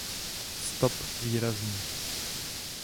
Stop výrazný.